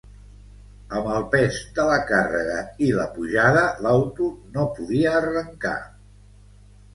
Amb el pes de la càrrega i la pujada l'auto no podia arrencar.